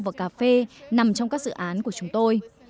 và cà phê nằm trong các dự án của chúng tôi